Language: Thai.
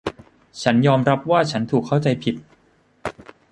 ฉันยอมรับว่าฉันถูกเข้าใจผิด